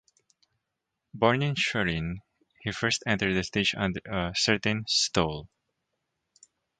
Born in Schwerin, he first entered the stage under a certain "Stolle".